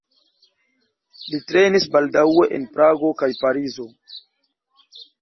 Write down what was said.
Li trejnis baldaŭe en Prago kaj Parizo.